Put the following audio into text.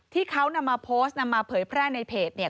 ที่เขานำมาโพสต์นำมาเผยแพร่ในเพจเนี่ย